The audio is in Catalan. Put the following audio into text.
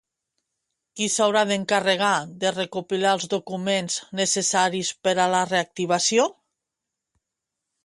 Qui s'haurà d'encarregar de recopilar els documents necessaris per a la reactivació?